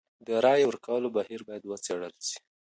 د رايې ورکولو بهير بايد وڅېړل سي.